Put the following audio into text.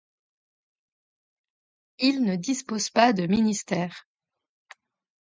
Il ne dispose pas de ministère.